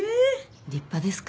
立派ですか？